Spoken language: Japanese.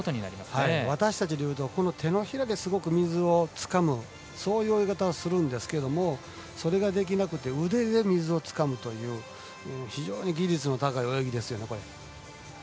私たちでいうと手のひらですごく水をつかむそういう泳ぎ方をするんですがそれができなくて腕で水をつかむという非常に技術の高い泳ぎですよね。